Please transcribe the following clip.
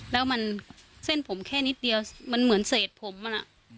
แล้วมันเส้นผมแค่นิดเดียวมันเหมือนเศษผมมัน